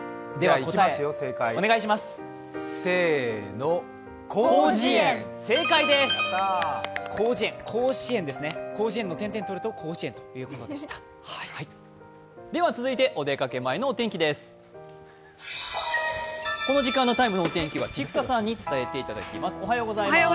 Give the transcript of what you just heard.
この時間の「ＴＩＭＥ，」のお天気は千種さんに伝えていただきます。